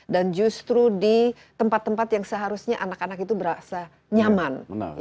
dan justru di tempat tempat yang seharusnya anak anak itu berasa nyaman